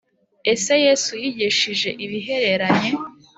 Ese Yesu yigishije ibihereranye